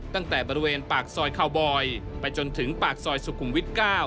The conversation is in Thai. ตั้งแต่บริเวณปากซอยคาวบอยไปจนถึงปากซอยสุขุมวิท๙